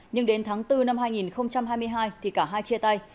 nhưng đến tháng bốn năm hai nghìn hai mươi hai thì cả hai chia tay